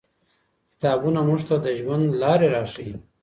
کتابونه موږ ته د ژوند لاري راښيي.